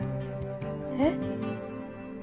えっ？